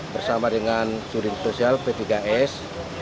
bersama dengan sudin sosial p tiga s